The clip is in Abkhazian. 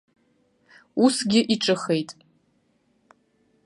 Усгьы иҿыхеит.